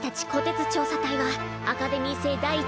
つ調査隊はアカデミー星第１